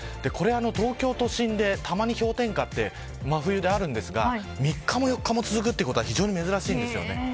東京都心で、たまに氷点下って真冬でありますが、３日も４日も続くということは珍しいんです。